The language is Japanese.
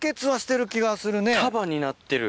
束になってる。